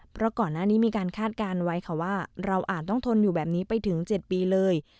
เพราะก่อนหน้านี้มีการคาดการณ์ไว้ค่ะว่าเราอาจต้องทนอยู่แบบนี้ไปถึง๗ปีเลย